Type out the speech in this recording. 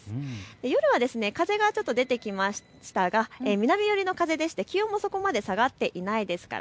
夜は風がちょっと出てきましたが南寄りの風でして気温もそこまで下がっていないですから